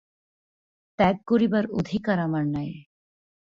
ত্যাগ করিবার অধিকার আমার নাই।